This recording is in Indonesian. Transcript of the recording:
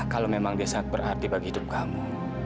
kalau memang dia sangat berarti bagi hidup kamu